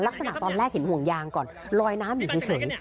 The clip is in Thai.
ลักษณะตอนแรกเห็นห่วงยางก่อนลอยน้ำอยู่เฉย